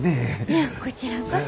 いやこちらこそ。